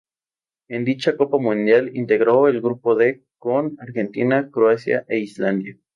En dicha Copa Mundial integró el Grupo D, con Argentina, Croacia e Islandia.